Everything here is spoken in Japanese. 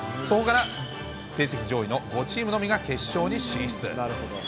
それから成績上位の５チームのみが決勝に進出。